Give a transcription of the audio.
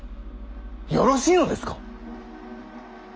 よろしいのですか？